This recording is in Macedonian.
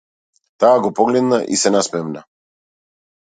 Таа го погледна и се насмевна.